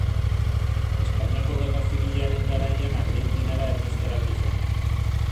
Espainiako Gerra Zibilaren garaian Argentinara erbesteratu zen.